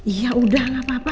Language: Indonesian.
iya udah gak apa apa